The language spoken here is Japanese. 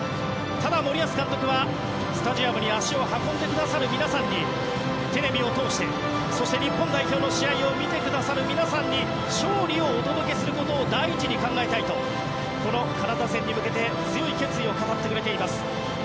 ただ、森保監督はスタジアムに足を運んでくださる皆さんにテレビを通してそして日本代表の試合を見てくださる皆さんに勝利をお届けすることを第一に考えたいとこのカナダ戦に向けて強い決意を語ってくれています。